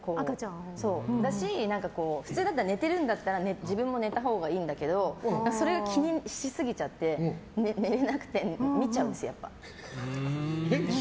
だし、普通だったら寝てるんだったら自分も寝たほうがいいんだけどそれを気にしすぎちゃって寝れなくて、見ちゃうんです。